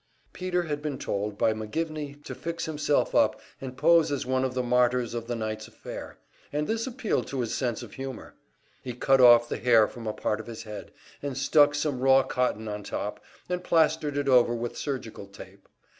Peter had been told by McGivney to fix himself up and pose as one of the martyrs of the night's affair, and this appealed to his sense of humor. He cut off the hair from a part of his head, and stuck some raw cotton on top, and plastered it over with surgical tape.